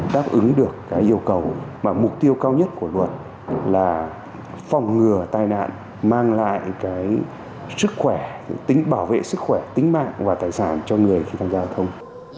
đáp ứng được cái yêu cầu và mục tiêu cao nhất của luật là phòng ngừa tai nạn mang lại cái sức khỏe tính bảo vệ sức khỏe tính mạng và tài sản cho người khi tham gia giao thông